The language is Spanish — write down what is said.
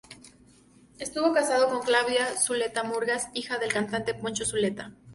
Estuvo casado con Claudia Zuleta Murgas, hija del cantante Poncho Zuleta.